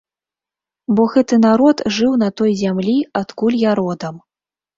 Бо гэты народ жыў на той зямлі, адкуль я родам.